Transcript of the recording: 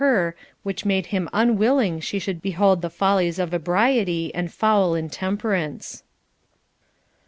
her which made him unwilling: she should behold the fol lies of ebriety and foul intemperance.